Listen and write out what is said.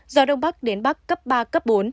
gió đông bắc đến bắc cấp ba cấp bốn